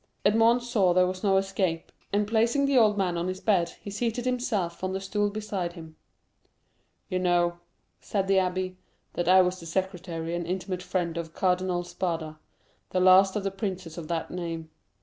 Edmond saw there was no escape, and placing the old man on his bed, he seated himself on the stool beside him. "You know," said the abbé, "that I was the secretary and intimate friend of Cardinal Spada, the last of the princes of that name.